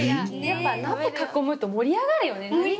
何か鍋囲むと盛り上がるよね。